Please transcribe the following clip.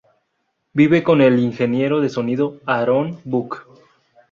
Vive con el ingeniero de sonido Aaron Buck.